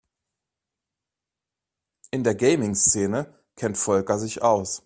In der Gaming-Szene kennt Volker sich aus.